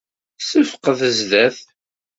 Ssefqed zdat.